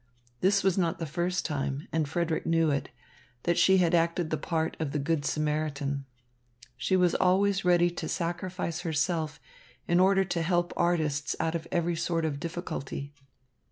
This was not the first time, and Frederick knew it, that she had acted the part of the good Samaritan. She was always ready to sacrifice herself in order to help artists out of every sort of difficulty.